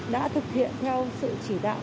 đã thực hiện theo sự chỉ đạo